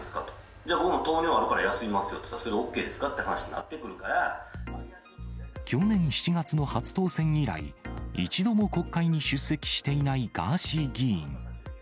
じゃあ、僕も糖尿あるから休みますよって言ったら、去年７月の初当選以来、一度も国会に出席していないガーシー議員。